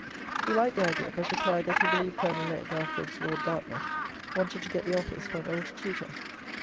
He liked the idea, but replied that he believed Colonel Legge (afterwards Lord Dartmouth) wanted to get the office for an old tutor.